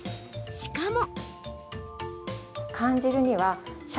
しかも。